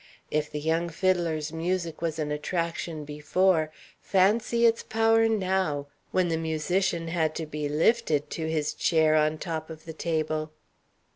If the young fiddler's music was an attraction before, fancy its power now, when the musician had to be lifted to his chair on top of the table!